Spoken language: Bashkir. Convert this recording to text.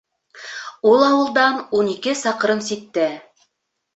Ул ауылдан ун ике саҡрым ситтә.